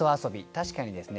確かにですね